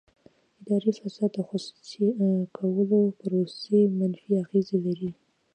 اداري فساد د خصوصي کولو پروسې منفي اغېز لري.